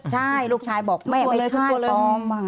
ใช่ลูกชายบอกไม่ใช่ปลอม